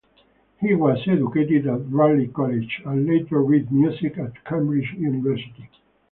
He was educated at Radley College and later read music at Cambridge University.